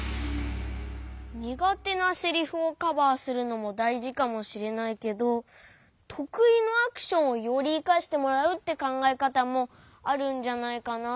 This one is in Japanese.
にがてなセリフをカバーするのもだいじかもしれないけどとくいのアクションをよりいかしてもらうってかんがえかたもあるんじゃないかな。